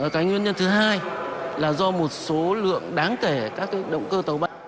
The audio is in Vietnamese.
cái nguyên nhân thứ hai là do một số lượng đáng kể các động cơ tàu bay